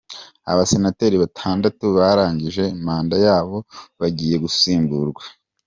Abasenateri batandatu barangije manda yabo bagiye gusimburwa